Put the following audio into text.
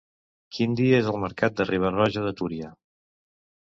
Quin dia és el mercat de Riba-roja de Túria?